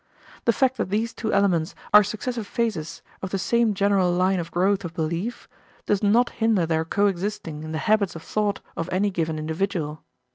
The fact that these two elements are successive phases of the same general line of growth of belief does not hinder their coexisting in the habits of thought of any given individual.